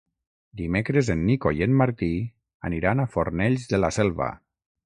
Dimecres en Nico i en Martí aniran a Fornells de la Selva.